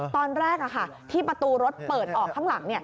ตอนแรกที่ประตูรถเปิดออกข้างหลัง